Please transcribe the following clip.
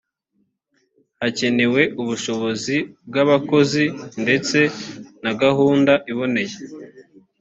hakenewe ubushobozi bw’abakozi ndetse na gahunda iboneye